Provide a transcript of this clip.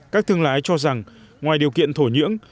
các thương lái cho rằng ngoài điều kiện thổ nhưỡng